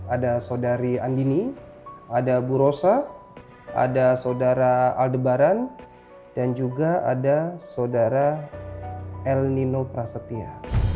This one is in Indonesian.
ada saudari andini ada bu rosa ada saudara al debaran dan juga ada saudara el nino prasetya